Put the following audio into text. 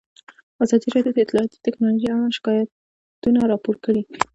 ازادي راډیو د اطلاعاتی تکنالوژي اړوند شکایتونه راپور کړي.